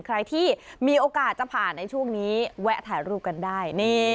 ใครที่มีโอกาสจะผ่านในช่วงนี้แวะถ่ายรูปกันได้